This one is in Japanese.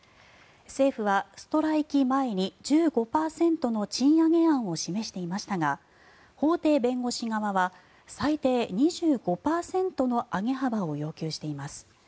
政府はストライキ前に、１５％の賃上げ案を示していましたが法廷弁護士側は最低２５％の上げ幅を要求しています。